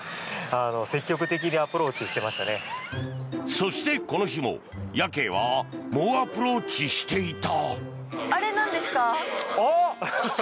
そして、この日もヤケイは猛アプローチしていた。